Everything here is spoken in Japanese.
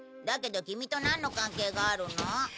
だけどキミとなんの関係があるの？